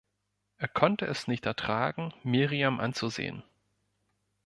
Er konnte es nicht ertragen, Miriam anzusehen.